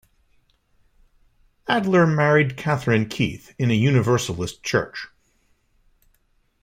Adler married Katherine Keith in a Universalist church.